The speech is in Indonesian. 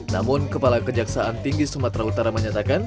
namun kepala kejaksaan tinggi sumatera utara menyatakan